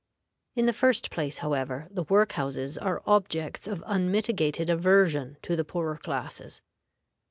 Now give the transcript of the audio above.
In the first place, however, the work houses are objects of unmitigated aversion to the poorer classes.